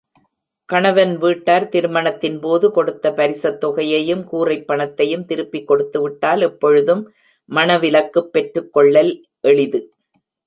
கணவன் வீட்டார் திருமணத்தின்போது கொடுத்த பரிசத்தொகையையும், கூறைப்பணத்தையும் திருப்பிக் கொடுத்துவிட்டால், எப்பொழுதும் மணவிலக்குப் பெற்றுக்கொள்ளல் எளிது.